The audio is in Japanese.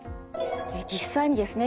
実際にですね